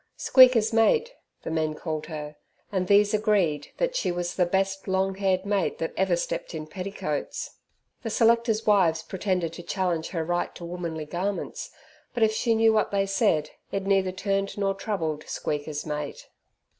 "Squeaker's mate", the men called her, and these agreed that she was the best long haired mate that ever stepped in petticoats. The selectors' wives pretended to challenge her right to womanly garments, but if she knew what they said, it neither turned nor troubled Squeaker's mate.